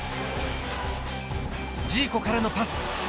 ジーコからのパス。